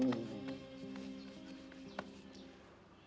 menjadi kemampuan anda